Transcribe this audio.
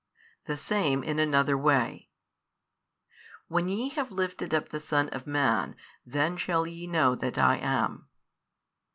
The same in another way When ye have lifted up the Son of Man, then shall ye know that I am.